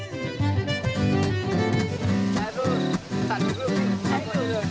กลายเพิ่มตัดเพิ่ม